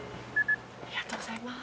ありがとうございます。